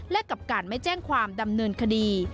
และกับการไม่แจ้งความดำเนินคดี